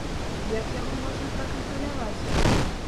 Як яго можна пракантраляваць?